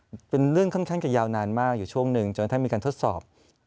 มันเป็นเรื่องค่อนข้างจะยาวนานมากอยู่ช่วงหนึ่งจนท่านมีการทดสอบ